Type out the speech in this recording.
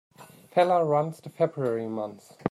Feller runs the February months.